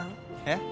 えっ？